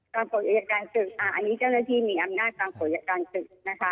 ตามปฎิการศึกษ์อันนี้เจ้าหน้าที่มีอำนาจตามปฎิการศึกษ์นะคะ